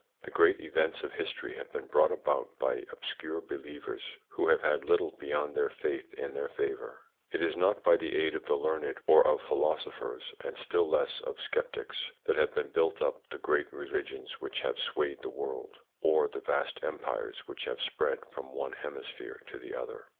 The great events of history have been brought about by obscure believers, who have had little beyond their faith in their favour. It is not by the aid of the learned or of philosophers, and still less of sceptics, that have been built up the great religions which have swayed the world, or the vast empires which have spread from one hemisphere to the other.